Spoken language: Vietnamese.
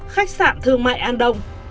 khách sạn thương mại an đông